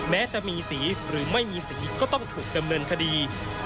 แม้จะมีสีหรือไม่มีสีก็ต้องถูกดำเนินคดี